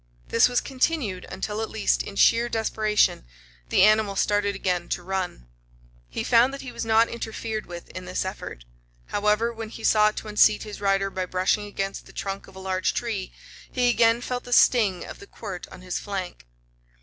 This was continued until, at least, in sheer desperation, the animal started again to run. He found that he was not interfered with in this effort. However, when he sought to unseat his rider by brushing against the trunk of a large tree, he again felt the sting of the quirt on his flank.